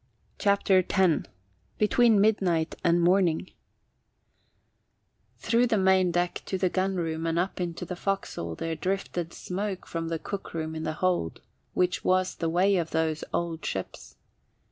CHAPTER X BETWEEN MIDNIGHT AND MORNING Through the main deck to the gun room and up into the forecastle there drifted smoke from the cookroom in the hold, which was the way of those old ships.